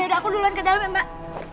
udah aku duluan ke dalam ya mbak